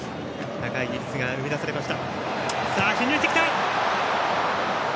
高い技術が生み出されました。